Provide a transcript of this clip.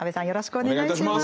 お願いいたします。